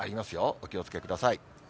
お気をつけください。